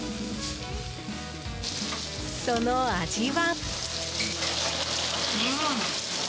その味は。